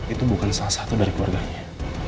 itu bukan salah satu dari keluarganya